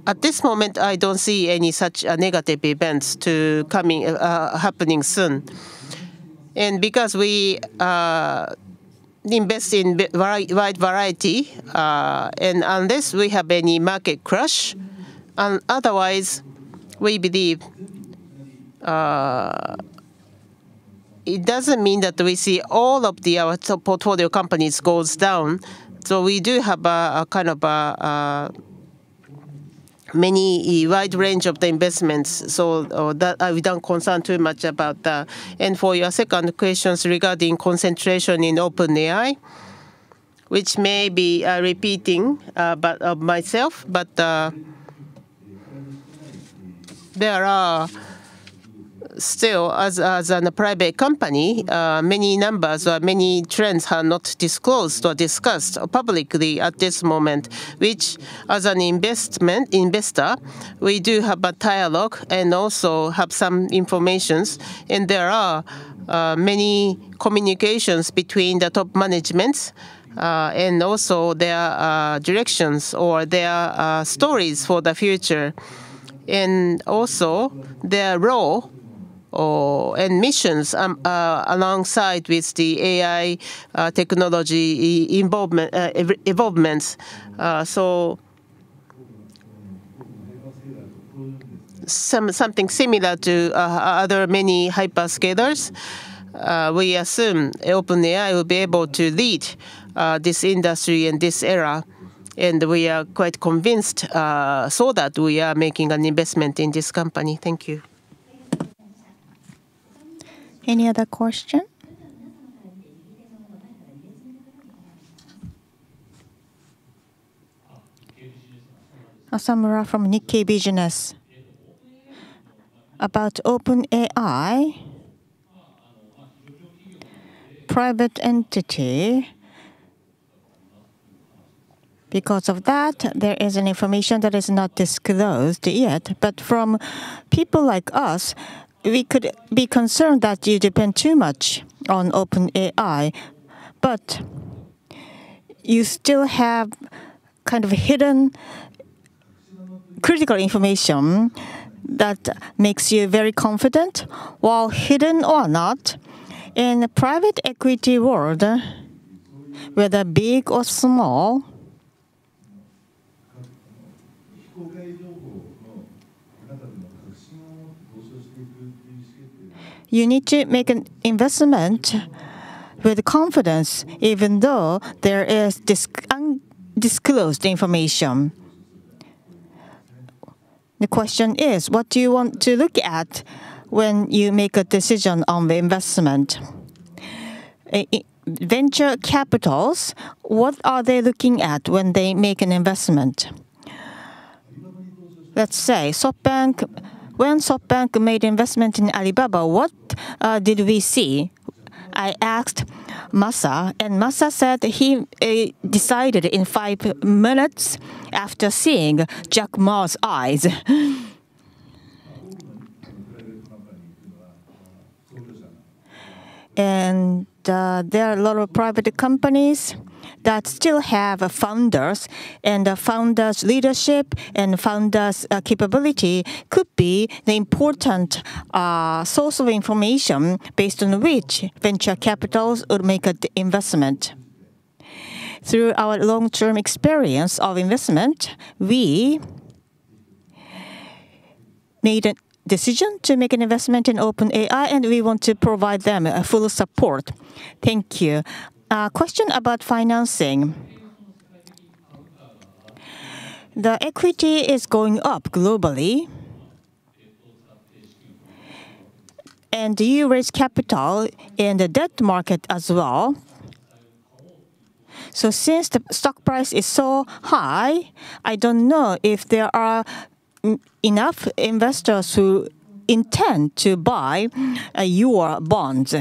But, at this moment, I don't see any such, negative events to coming, happening soon. And because we, invest in wide, wide variety, and unless we have any market crash, and otherwise, we believe. It doesn't mean that we see all of the our support portfolio companies goes down. So we do have a wide range of the investments, so that we don't concern too much about that. And for your second question regarding concentration in OpenAI, which may be repeating, but myself. But there are still, as a private company, many numbers or many trends are not disclosed or discussed publicly at this moment, which as an investor, we do have a dialogue and also have some information. And there are many communications between the top management, and also their directions or their stories for the future, and also their role or and missions alongside with the AI technology involvement, involvements. So something similar to other many Hyperscalers. We assume OpenAI will be able to lead this industry and this era, and we are quite convinced, so that we are making an investment in this company. Thank you. Any other question? Asamura from Nikkei Business. About OpenAI, private entity, because of that, there is an information that is not disclosed yet. But from people like us, we could be concerned that you depend too much on OpenAI, but you still have kind of a hidden critical information that makes you very confident. While hidden or not, in the private equity world, whether big or small, you need to make an investment with confidence, even though there is undisclosed information. The question is, what do you want to look at when you make a decision on the investment? Venture capitals, what are they looking at when they make an investment? Let's say, SoftBank, when SoftBank made investment in Alibaba, what did we see?... I asked Masa, and Masa said he decided in five minutes after seeing Jack Ma's eyes. There are a lot of private companies that still have founders, and the founder's leadership, and founder's capability could be the important source of information based on which venture capitals would make a investment. Through our long-term experience of investment, we made a decision to make an investment in OpenAI, and we want to provide them a full support. Thank you. Question about financing. The equity is going up globally, and you raise capital in the debt market as well. So since the stock price is so high, I don't know if there are enough investors who intend to buy your bonds.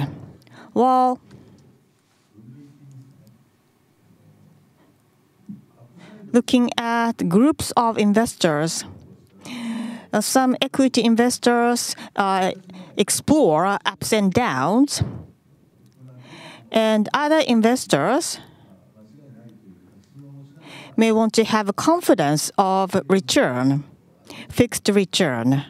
Well, looking at groups of investors, some equity investors explore ups and downs, and other investors may want to have a confidence of return, fixed return.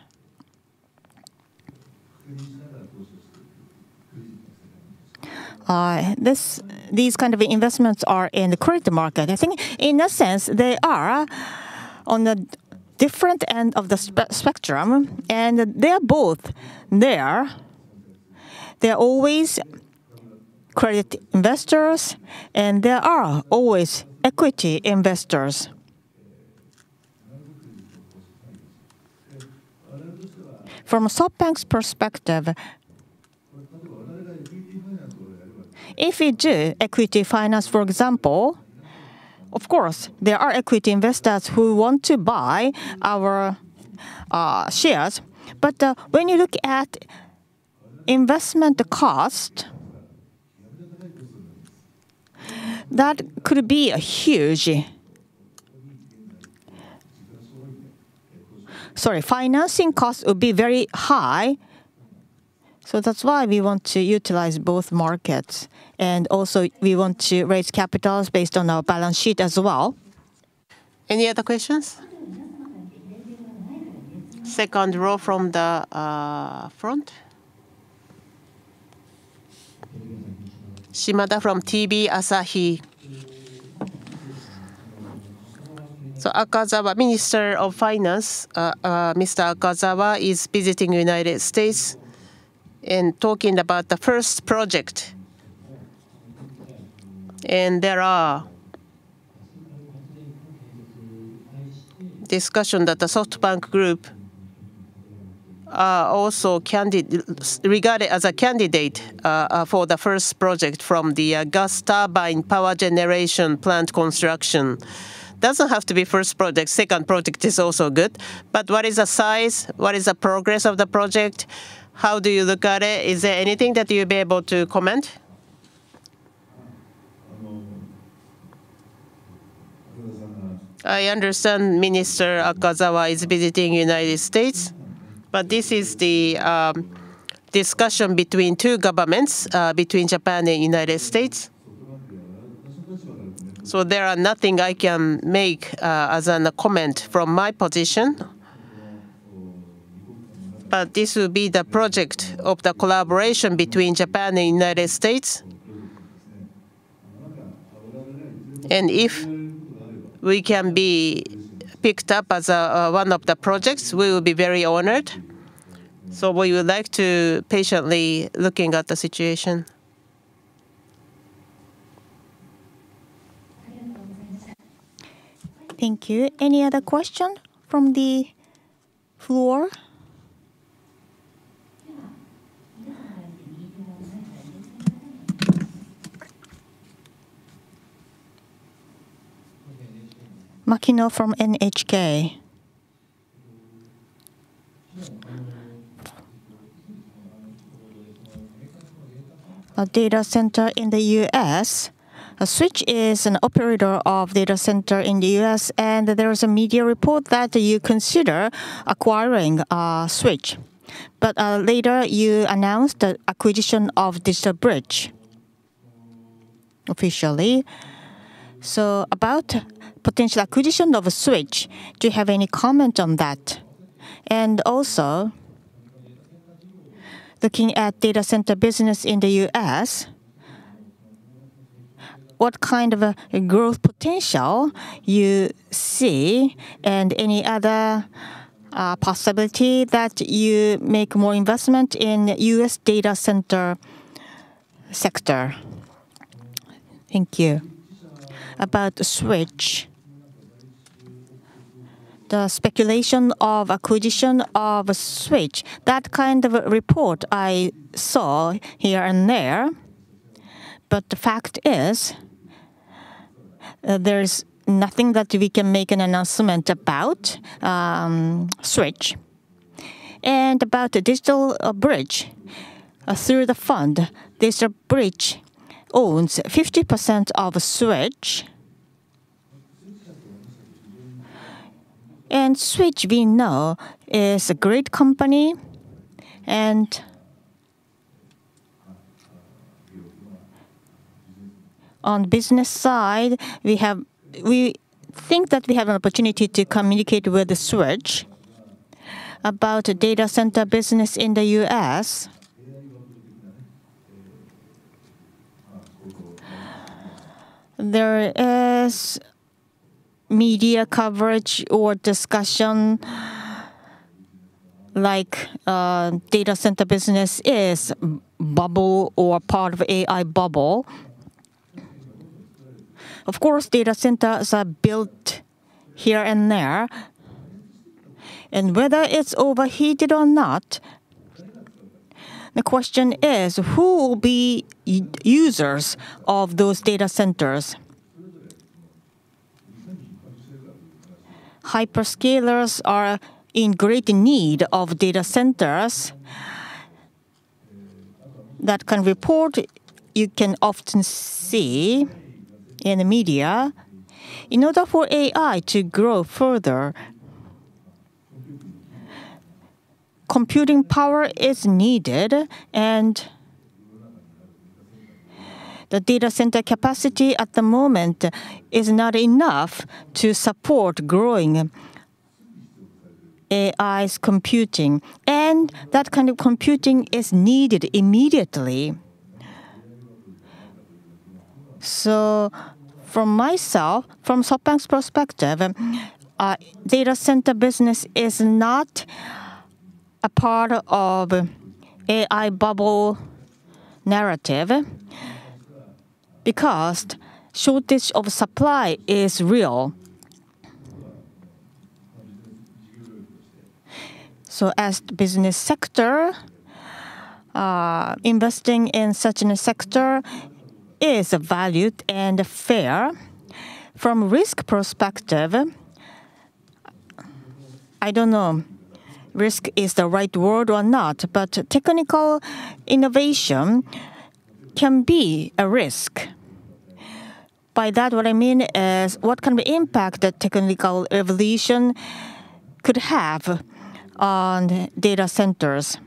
These kind of investments are in the credit market. I think in a sense, they are on a different end of the spectrum, and they're both there. There are always credit investors, and there are always equity investors. From SoftBank's perspective, if you do equity finance, for example, of course, there are equity investors who want to buy our shares. But when you look at investment cost, that could be a huge... Sorry, financing costs would be very high, so that's why we want to utilize both markets, and also we want to raise capitals based on our balance sheet as well. Any other questions? Second row from the front. Shimada from TV Asahi. So Akazawa, Minister of Finance, Mr. Akazawa, is visiting United States and talking about the first project. And there are discussion that the SoftBank Group are also regarded as a candidate for the first project from the gas turbine power generation plant construction. Doesn't have to be first project, second project is also good. But what is the size? What is the progress of the project? How do you look at it? Is there anything that you'll be able to comment? I understand Minister Akazawa is visiting United States, but this is the discussion between two governments, between Japan and United States. So there are nothing I can make as an comment from my position. But this will be the project of the collaboration between Japan and United States. And if we can be picked up as a one of the projects, we will be very honored, so we would like to patiently looking at the situation. Thank you. Any other question from the floor? Makino from NHK. A data center in the U.S. Switch is an operator of data center in the U.S., and there was a media report that you consider acquiring Switch. But later you announced the acquisition of DigitalBridge officially. So about potential acquisition of Switch, do you have any comment on that? Also, looking at data center business in the U.S., what kind of growth potential you see, and any other possibility that you make more investment in U.S. data center sector? Thank you. About Switch, the speculation of acquisition of Switch, that kind of a report I saw here and there, but the fact is, there's nothing that we can make an announcement about, Switch. And about the DigitalBridge, through the fund, DigitalBridge owns 50% of Switch. And Switch we know is a great company, and on business side, we have, we think that we have an opportunity to communicate with Switch about data center business in the U.S. There is media coverage or discussion like, data center business is bubble or part of AI bubble. Of course, data centers are built here and there, and whether it's overheated or not, the question is: Who will be users of those data centers? Hyperscalers are in great need of data centers. That can report you can often see in the media. In order for AI to grow further, computing power is needed, and the data center capacity at the moment is not enough to support growing AI's computing, and that kind of computing is needed immediately. So from myself, from SoftBank's perspective, data center business is not a part of AI bubble narrative, because shortage of supply is real. So as business sector, investing in such a sector is valued and fair. From risk perspective, I don't know risk is the right word or not, but technical innovation can be a risk. By that, what I mean is, what kind of impact that technical evolution could have on data centers?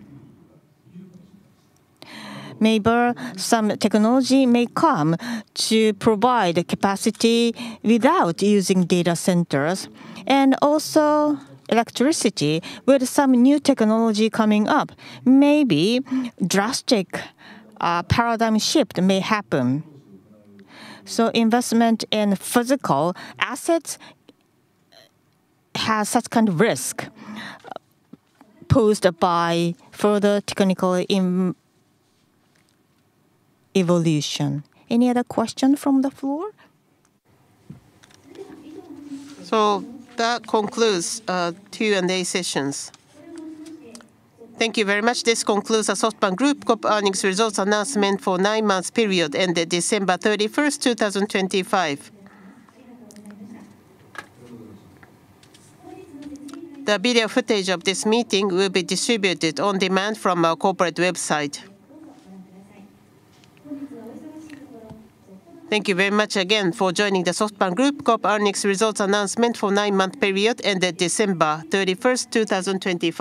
Maybe some technology may come to provide a capacity without using data centers, and also electricity with some new technology coming up, maybe drastic, paradigm shift may happen. So investment in physical assets has such kind of risk, posed by further technical evolution. Any other question from the floor? So that concludes, Q&A sessions. Thank you very much. This concludes the SoftBank Group Corp earnings results announcement for nine months period, ended December 31st, 2025. The video footage of this meeting will be distributed on demand from our corporate website. Thank you very much again for joining the SoftBank Group Corp earnings results announcement for nine-month period ended December 31st, 2025